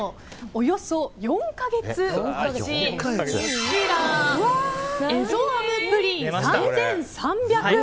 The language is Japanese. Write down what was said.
およそ４か月待ちエゾアムプリン、３３００円。